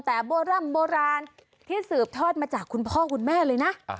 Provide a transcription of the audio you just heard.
แต่โบร่ำโบราณที่สืบทอดมาจากคุณพ่อคุณแม่เลยนะ